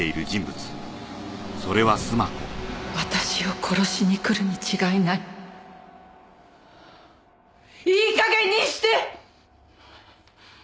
私を殺しに来るに違いないいい加減にして！